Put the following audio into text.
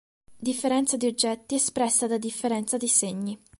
Differenza di oggetti espressa da differenza di segni".